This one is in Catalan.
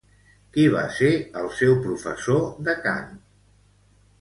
Qui va ser el seu professor de cant?